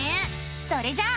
それじゃあ。